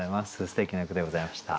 すてきな句でございました。